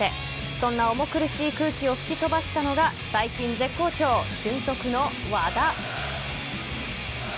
そんな重苦しい空気を吹き飛ばしたのが最近、絶好調俊足の和田。